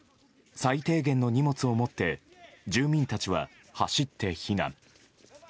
最低限の荷物を持って住民たちは走って避難。